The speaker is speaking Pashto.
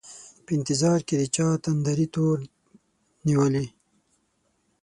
په انتظار کي د چا دتندري تور نیولي